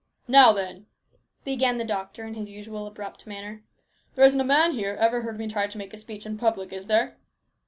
" Now, then," began the doctor in his usual abrupt manner, " there isn't a man here ever heard me try to make a speech in public, is there